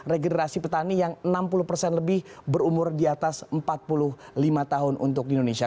regenerasi petani yang enam puluh persen lebih berumur di atas empat puluh lima tahun untuk di indonesia